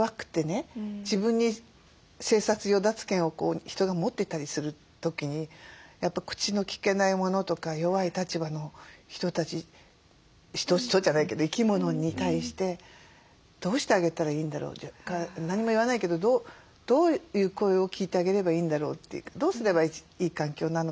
自分に生殺与奪権を人が持ってたりする時にやっぱ口のきけないものとか弱い立場の人たち人じゃないけど生き物に対してどうしてあげたらいいんだろうとか何も言わないけどどういう声を聞いてあげればいいんだろうというかどうすればいい環境なのかなって。